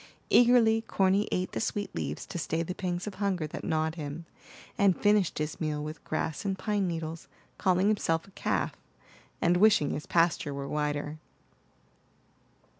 Eagerly Corny ate the sweet leaves to stay the pangs of hunger that gnawed him, and finished his meal with grass and pine needles, calling himself a calf, and wishing his pasture were wider.